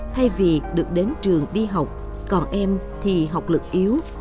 thay vì được đến trường đi học còn em thì học lực yếu